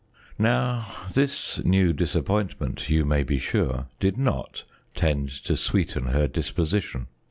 Now this new disappointment, you may be sure, did not tend to sweeten her disposition.